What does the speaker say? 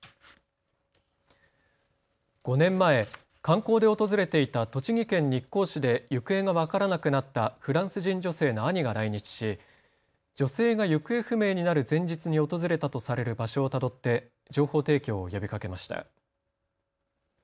５年前、観光で訪れていた栃木県日光市で行方が分からなくなったフランス人女性の兄が来日し女性が行方不明になる前日に訪れたとされる場所をたどって情報提供を呼びかけました。